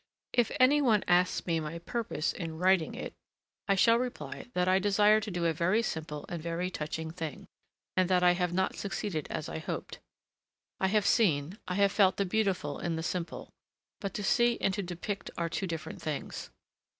If any one asks me my purpose in writing it, I shall reply that I desired to do a very simple and very touching thing, and that I have not succeeded as I hoped. I have seen, I have felt the beautiful in the simple, but to see and to depict are two different things!